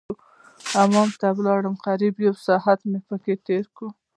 حمام ته ولاړم قريب يو ساعت مې پکښې تېر کړ.